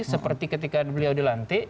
seperti ketika beliau dilantik